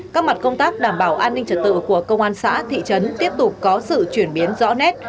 các mặt công tác đảm bảo an ninh trật tự của công an xã thị trấn tiếp tục có sự chuyển biến rõ nét